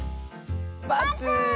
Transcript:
バツ！